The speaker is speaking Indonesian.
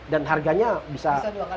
dan harganya bisa